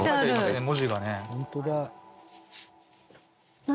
文字がね。何？